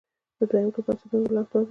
د دویم ګروپ د عنصرونو ولانس دوه دی.